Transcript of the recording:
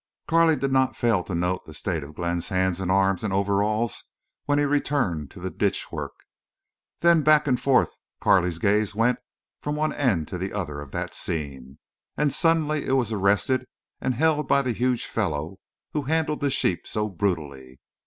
Carley did not fail to note the state of Glenn's hands and arms and overalls when he returned to the ditch work. Then back and forth Carley's gaze went from one end to the other of that scene. And suddenly it was arrested and held by the huge fellow who handled the sheep so brutally.